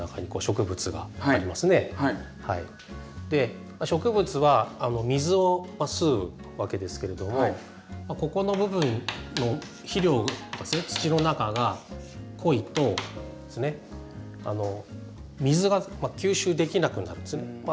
で植物は水を吸うわけですけれどもここの部分の肥料ありますね土の中が濃いとですね水が吸収できなくなるんですね。